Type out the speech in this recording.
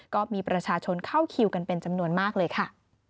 ก็มีประชาชนเข้าคิวกันเป็นจำนวนมากเลยค่ะ